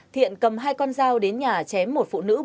thiện cầm hai con dao đến nhà chém một phụ nữ